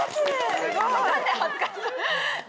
・・すごい！